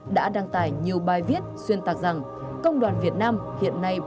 đã đăng tải nhiều bài viết xuyên tạc rằng công đoàn việt nam hiện nay bỏ mặt